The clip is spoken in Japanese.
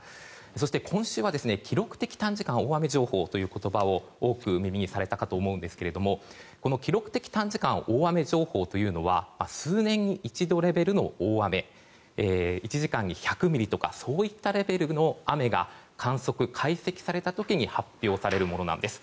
そして今週は記録的短時間大雨情報という言葉を多く耳にされたかと思うんですが記録的短時間大雨情報というのは数年に一度レベルの大雨１時間に１００ミリとかそういったレベルの雨が観測・解析された際に発表されるものなんです。